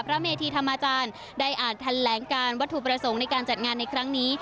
เมธีธรรมอาจารย์ได้อ่านทันแหลงการวัตถุประสงค์ในการจัดงานในครั้งนี้